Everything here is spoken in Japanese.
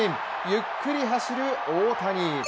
ゆっくり走る大谷。